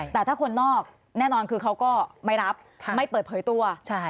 แต่ถ้าคนนอกแน่นอนคือเขาก็ไม่รับไม่เปิดเผยตัว